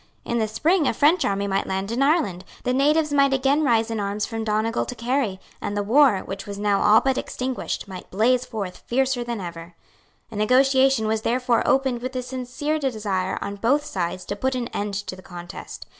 In the spring a French army might land in Ireland; the natives might again rise in arms from Donegal to Kerry; and the war, which was now all but extinguished, might blaze forth fiercer than ever. A negotiation was therefore opened with a sincere desire on both sides to put an end to the contest.